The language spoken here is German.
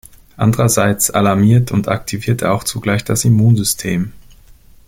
Andererseits alarmiert und aktiviert er auch zugleich das Immunsystem.